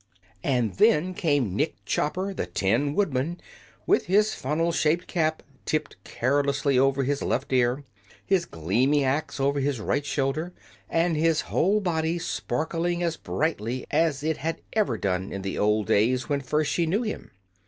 And then came Nick Chopper, the Tin Woodman, with his funnel shaped cap tipped carelessly over his left ear, his gleaming axe over his right shoulder, and his whole body sparkling as brightly as it had ever done in the old days when first she knew him.